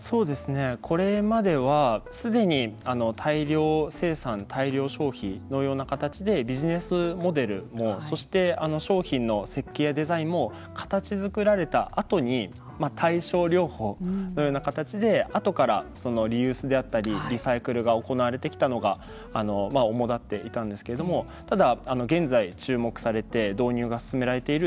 これまでは常に大量生産、大量消費のような形でビジネスモデルもそして商品の設計デザインも形作られたあとに対症療法のような形で後からリユースであったりリサイクルが行われてきたのが主だっていたんですけどもただ、現在、注目されて導入が進められている